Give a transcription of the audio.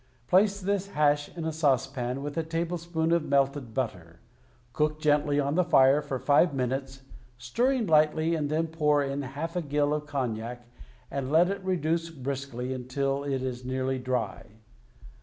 Place this hash in a saucepan with a tablespoon of melted butter, cook gently on the fire for five minutes, stirring lightly, and then pour in half a gill of cognac and let it reduce briskly until it is nearly dry.